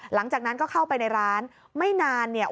หลังจากนั้นก็เข้าไปในร้านไม่นานเนี่ย